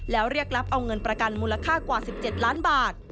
แล้วเรียกรับเอาเงินประกันมูลค่ากว่า๑๗ล้านบาท